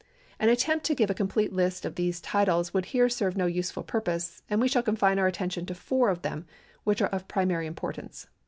An attempt to give a complete list of these titles would here serve no useful jjurpose, and we shall confine our attention to four of them which are of primary importance.